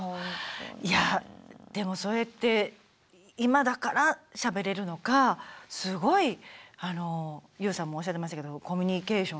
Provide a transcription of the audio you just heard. いやでもそれって今だからしゃべれるのかすごいあのＹＯＵさんもおっしゃってましたけどコミュニケーション